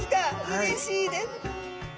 うれしいです。